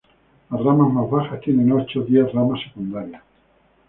Las ramas más bajas tienen ocho-diez ramas secundarias.